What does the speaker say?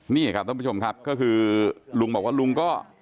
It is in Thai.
นี่ครับท่านผู้ชมครับก็คือลุงบอกว่าลุงก็